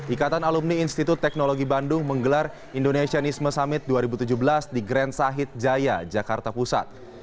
ikatan alumni institut teknologi bandung menggelar indonesianisme summit dua ribu tujuh belas di grand sahit jaya jakarta pusat